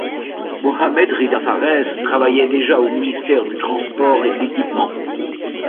Mohamed Ridha Farès travaillait déjà au ministère du Transport et de l'Équipement.